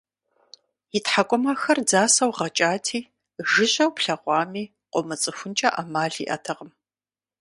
И тхьэкӀумэхэр дзасэу гъэкӀати, жыжьэу плъэгъуами, къыумыцӀыхункӀэ Ӏэмал иӀэтэкъым.